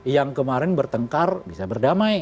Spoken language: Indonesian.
yang kemarin bertengkar bisa berdamai